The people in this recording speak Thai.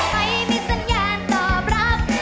ไม่มีสัญญาณตอบรับ